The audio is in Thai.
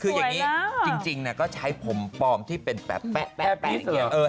คืออย่างนี้จริงนะก็ใช้ผมปลอมที่เป็นแป๊ะแป๊ะแบบนี้